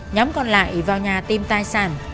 nhóm còn lại vào nhà tìm tài sản